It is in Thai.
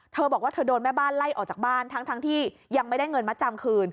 เธอบอกว่าเธอโดนแม่บ้านไล่ออกจากบ้านทั้งที่ยังไม่ได้เงินมาจำคืน